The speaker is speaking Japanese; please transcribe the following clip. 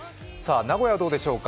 名古屋はどうでしょう